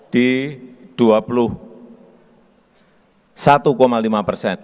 di dua puluh satu lima persen